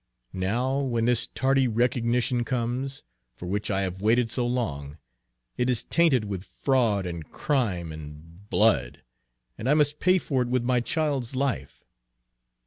Now, when this tardy recognition comes, for which I have waited so long, it is tainted with fraud and crime and blood, and I must pay for it with my child's life!"